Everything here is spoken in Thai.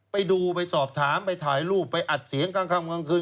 ไปดูไปสอบถามไปถ่ายรูปไปอัดเสียงกลางค่ำกลางคืน